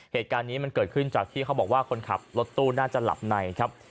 เหตุการณ์นี้มันเกิดขึ้นจากที่เขาบอกว่าคนขับรถตู้น่าจะหลับในครับ